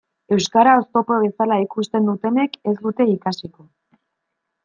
Euskara oztopo bezala ikusten dutenek ez dute ikasiko.